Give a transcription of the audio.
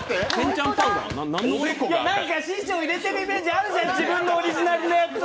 なんか師匠入れてるイメージあるじゃんオリジナルのやつ！